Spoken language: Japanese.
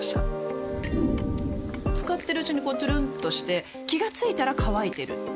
使ってるうちにこうトゥルンとして気が付いたら乾いてる